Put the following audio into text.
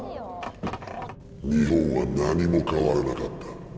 日本は何も変わらなかった。